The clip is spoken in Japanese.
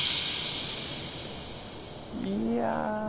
いや。